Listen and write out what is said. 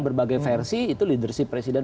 berbagai versi itu leadership presiden